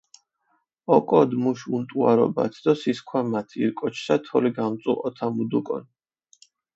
ოკოდჷ მუშ უნტუარობათ დო სისქვამათ ირკოჩშა თოლი გამწუჸოთამუდუკონ.